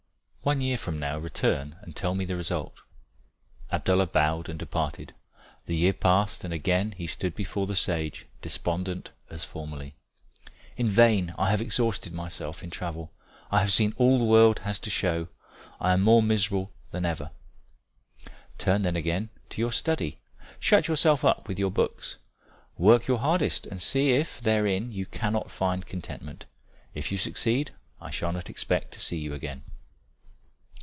One year from now, return, and tell me the result." Abdallah bowed and departed. The year passed, and again he stood before the sage, despondent as formerly. "In vain. I have exhausted myself in travel. I have seen all the world has to show. I am more miserable than ever." "Turn then again to study. Shut yourself up with your books. Work your hardest and see if therein you cannot find contentment. If you succeed I shall not expect to see you again."